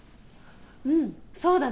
うんそうだね。